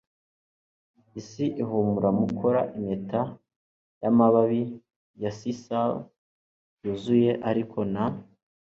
isi ihumura mukora impeta yamababi ya sisal yuzuye. ariko na